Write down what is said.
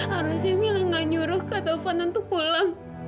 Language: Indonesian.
harusnya mila gak nyuruh kak taufan untuk pulang